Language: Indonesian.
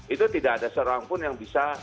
itu tidak ada seorang pun yang bisa